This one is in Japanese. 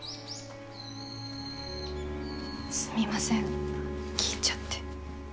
すみません聞いちゃって。